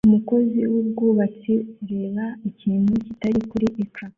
Umukozi wubwubatsi ureba ikintu kitari kuri ecran